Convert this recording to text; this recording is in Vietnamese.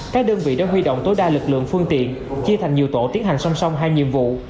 các đơn vị đã huy động tối đa lực lượng phương tiện chia thành nhiều tổ tiến hành song song hai nhiệm vụ